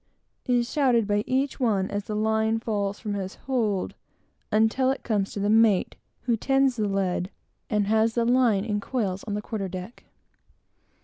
is shouted by each one as the line falls from his hold; until it comes to the mate, who tends the lead, and has the line in coils on the quarter deck.